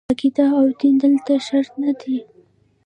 عقیده او دین دلته شرط نه دي.